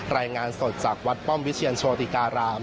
รายงานสดจากวัดป้อมวิเชียรโชติการาม